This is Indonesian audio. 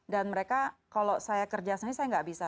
dan mereka kalau saya kerja sendiri saya tidak bisa